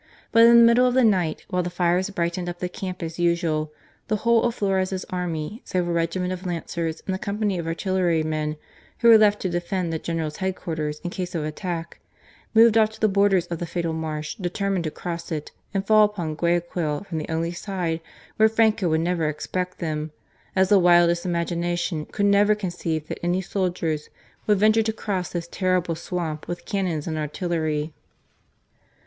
But in the middle of the night while the fires brightened up the camp as usual, the whole of Flores' army, save a regiment of lancers and a company of artillerymen who were left to defend the general's head quarters in case of attack, moved off to the borders of the fatal marsh determined to cross it and fall upon Guayaquil from the only side where Franco would never expect them, as the wildest imagination could never conceive that any soldiers would venture to cross this terrible swamp with cannons and artillery.